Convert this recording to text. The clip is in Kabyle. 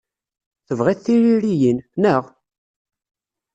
Tebɣiḍ tiririyin, naɣ?